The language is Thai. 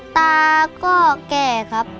ตาก็แก่ครับ